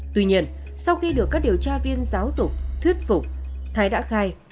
tuy nhiên sau khi được các điều tra viên giáo dục thuyết phục thái đã khai